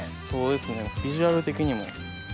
そうですねビジュアル的にも。